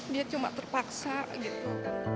dia cuma terpaksa gitu